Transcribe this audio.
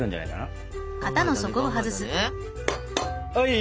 はい！